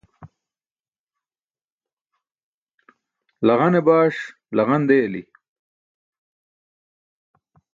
Laġane baṣ laġan deyali.